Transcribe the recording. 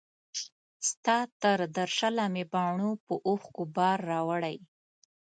ستا تر درشله مي باڼو په اوښکو بار راوړی